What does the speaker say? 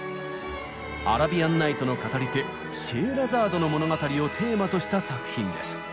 アラビアンナイトの語り手シェエラザードの物語をテーマとした作品です。